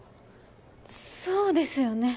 そうですよね